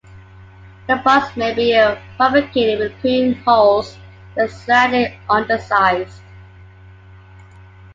The bars may be fabricated with pin holes that are slightly undersized.